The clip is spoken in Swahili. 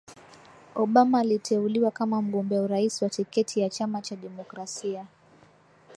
Obama aliteuliwa kama mgombea urais kwa tiketi ya chama cha Demokrasia